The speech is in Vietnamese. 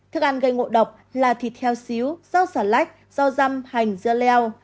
thức ăn gây ngộ độc là thịt heo xíu rau xà lách rau răm hành dưa leo